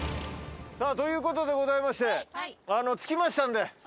さあということでございまして着きましたんで。